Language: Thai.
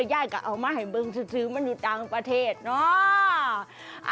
ยายก็เอามาให้บึงซื้อมันอยู่ต่างประเทศเนาะ